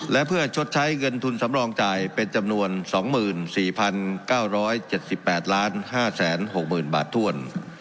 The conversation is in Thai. และเพื่อชดใช้เงินทุนสำรองจ่ายเป็นจำนวน๒๔๙๗๘๕๖๐๐๐บาทถ้วน